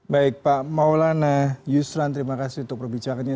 baik pak maulana yusran terima kasih untuk perbicaraannya